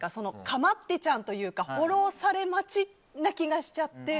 かまってちゃんというかフォローされ待ちな気がして。